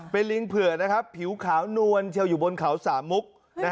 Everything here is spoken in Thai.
เป็นลิงเผื่อนะครับผิวขาวนวลเชียวอยู่บนเขาสามมุก